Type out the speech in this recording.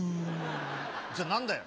じゃあ何だよ。